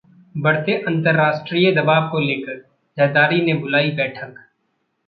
बढ़ते अंतरराष्ट्रीय दबाव को लेकर जरदारी ने बुलाई बैठक